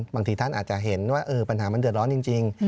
บางทีท่านอาจจะเห็นว่าปัญหามันเดือดร้อนจริง